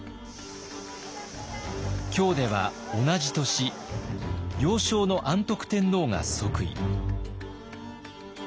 京では同じ年幼少の安徳天皇が即位。